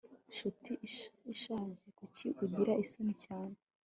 nshuti ishaje, kuki ugira isoni cyane